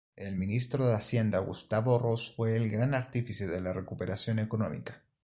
El ministro de Hacienda Gustavo Ross fue el gran artífice de la recuperación económica.